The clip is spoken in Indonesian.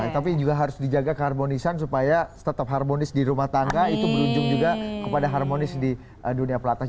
tapi juga harus dijaga keharmonisan supaya tetap harmonis di rumah tangga itu berujung juga kepada harmonis di dunia pelatnas